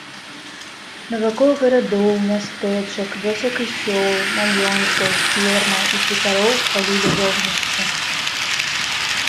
Навакол гарадоў, мястэчак, вёсак і сёл, маёнткаў, фермаў і хутароў палілі вогнішчы.